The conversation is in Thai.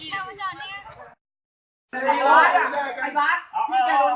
หล่อหล่อหล่อหล่อหล่อหล่อหล่อหล่อ